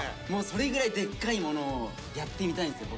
それぐらいでっかいものをやってみたいんですよ